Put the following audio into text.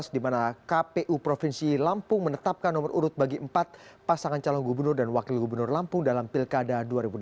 di mana kpu provinsi lampung menetapkan nomor urut bagi empat pasangan calon gubernur dan wakil gubernur lampung dalam pilkada dua ribu delapan belas